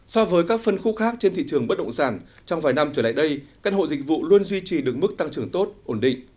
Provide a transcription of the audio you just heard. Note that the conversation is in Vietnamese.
so với các phân khúc khác trên thị trường bất động sản trong vài năm trở lại đây căn hộ dịch vụ luôn duy trì được mức tăng trưởng tốt ổn định